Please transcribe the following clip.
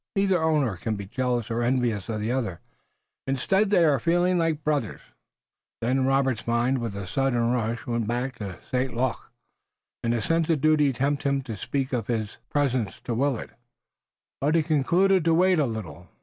Neither owner can be jealous or envious of the other; instead they are feeling like brothers." Then Robert's mind with a sudden rush, went back to St. Luc, and his sense of duty tempted him to speak of his presence to Willet, but he concluded to wait a little.